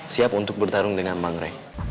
siap untuk bertarung dengan bang ray